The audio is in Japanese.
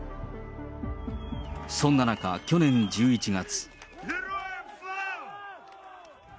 そんな中、去年１１月。